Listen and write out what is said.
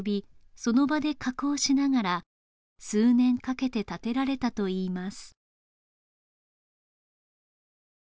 その場で加工しながら数年かけて建てられたといいます